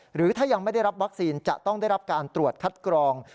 หรือถ้ายังไม่ได้รับวัคซีนจะต้องได้รับการตรวจคัดกรอง